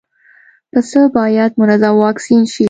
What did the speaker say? پسه باید منظم واکسین شي.